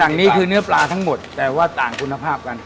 อย่างนี้คือเนื้อปลาทั้งหมดแต่ว่าต่างคุณภาพกัน